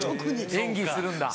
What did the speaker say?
演技するんだ。